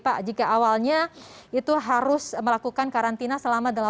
pak jika awalnya itu harus melakukan karantina selama